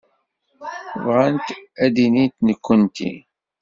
Bɣant ad d-inint nekkenti?